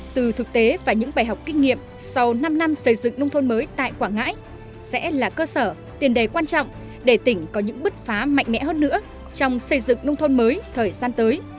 từ thực tế và những bài học kinh nghiệm sau năm năm xây dựng nông thôn mới tại quảng ngãi sẽ là cơ sở tiền đề quan trọng để tỉnh có những bứt phá mạnh mẽ hơn nữa trong xây dựng nông thôn mới thời gian tới